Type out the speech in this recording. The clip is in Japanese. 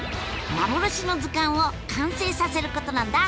幻の図鑑を完成させることなんだ！